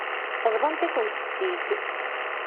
Bḍant-akent-tt-id.